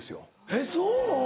えっそう？